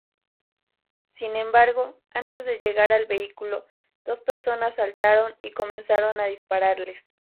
Sin embargo, antes de llegar al vehículo, dos personas saltaron y comenzaron a dispararles.